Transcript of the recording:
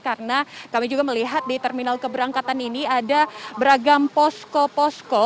karena kami juga melihat di terminal keberangkatan ini ada beragam posko posko